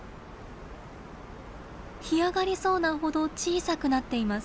干上がりそうなほど小さくなっています。